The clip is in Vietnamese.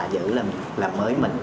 giữ làm mới mình